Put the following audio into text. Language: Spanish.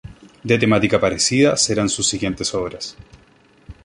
De temática parecida serán sus siguientes obras.